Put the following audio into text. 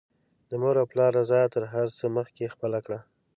د مور او پلار رضاء تر هر څه مخکې خپله کړه